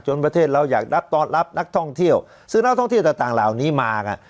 ประเทศเราอยากรับต้อนรับนักท่องเที่ยวซึ่งนักท่องเที่ยวต่างเหล่านี้มาไง